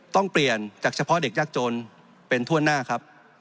ต้องเปลี่ยนจากเฉพาะเด็กยากจนเป็นทั่วหน้าครับ